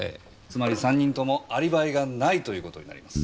つまり３人ともアリバイがないということになります。